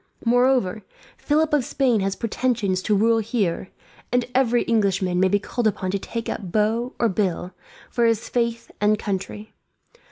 Moreover, Philip of Spain has pretensions to rule here; and every Englishman may be called upon to take up bow, or bill, for his faith and country.